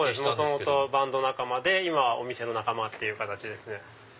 元々バンド仲間で今はお店の仲間っていう形ですね。